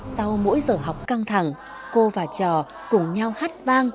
sau mỗi giờ học căng thẳng cô và trò cùng nhau hát vang